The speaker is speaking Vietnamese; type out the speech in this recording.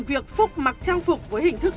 việc phúc mặc trang phục với hình thức